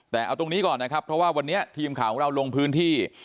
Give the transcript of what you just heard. แต่เอาตรงนี้ก่อนนะครับเพราะว่าวันนี้ทีมข่าวของเราลงพื้นที่